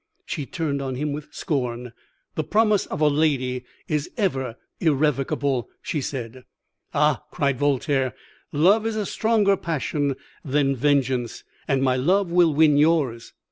"She turned on him with scorn. 'The promise of a lady is ever irrevocable,' she said. "'Ah!' cried Voltaire, 'love is a stronger passion than vengeance, and my love will win yours.'